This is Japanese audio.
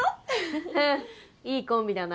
フンいいコンビだな。